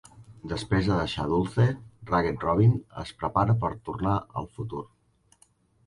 Després de deixar Dulce, Ragged Robin es prepara per tornar al futur.